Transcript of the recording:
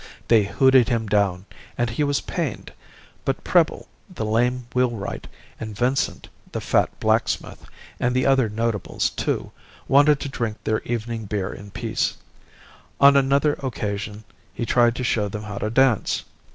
They hooted him down, and he was pained; but Preble, the lame wheelwright, and Vincent, the fat blacksmith, and the other notables too, wanted to drink their evening beer in peace. On another occasion he tried to show them how to dance.